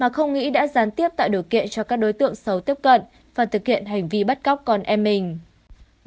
không nghĩ đã gián tiếp tạo điều kiện cho các đối tượng xấu tiếp cận và thực hiện hành vi bắt cóc con em mình